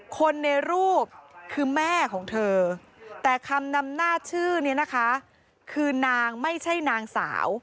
คนในรูปคือแม่ของเธอแต่คำนำหน้าชื่อเนี่ยนะคะคือนางไม่ใช่นางสาว